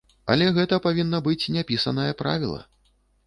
Але гэта павінна быць няпісанае правіла.